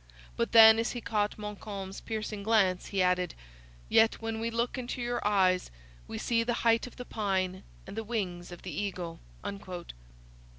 But then, as he caught Montcalm's piercing glance, he added: 'Yet when we look into your eyes, we see the height of the pine and the wings of the eagle.'